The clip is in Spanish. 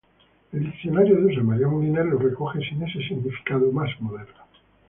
El diccionario de uso de María Moliner lo recoge sin ese significado más moderno.